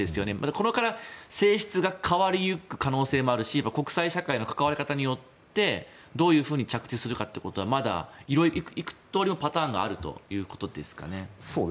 ここから性質が変わりゆく可能性もあるし国際社会の関わり方によってどういうふうに着地するかはまだ幾通りのパターンがあるということですかね。